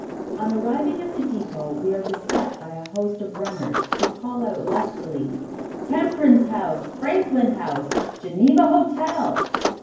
On arriving at the depot we are beset by a host of runners, who call out lustily, "Temperance House!" "Franklin House!" "Geneva Hotel!"